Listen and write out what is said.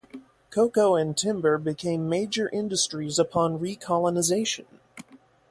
Cocoa and timber became major industries upon recolonization.